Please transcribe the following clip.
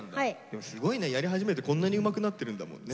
でもすごいねやり始めてこんなにうまくなってるんだもんね。